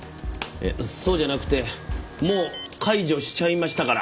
そうじゃなくてもう解除しちゃいましたから。